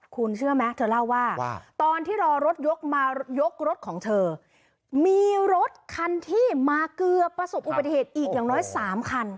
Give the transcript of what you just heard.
คุณเชื่อไหมเธอเล่าว่าตอนที่รอรถยกมายกรถของเธอมีรถคันที่มาเกือบประสบอุบัติเหตุอีกอย่างน้อย๓คัน